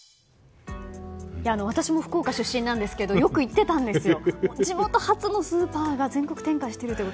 私も福岡出身なんですけれどよく行ってたんですよ。